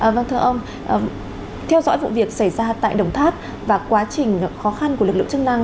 vâng thưa ông theo dõi vụ việc xảy ra tại đồng tháp và quá trình khó khăn của lực lượng chức năng